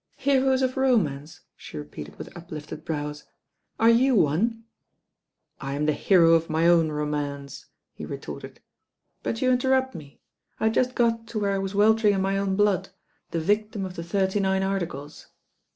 "Heroes of romance I" she repeated with uplifted brows. "Are you one?" "I am the hero of my own romance," he retorted; "but you interrupt me. I had just got to where I was weltering in my own blood — ^the victim of the Thirty Nine Articles."